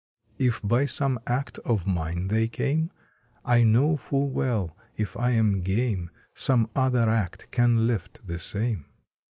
If by some act of mine they came, I know full well if I am game Some other act can lift the same.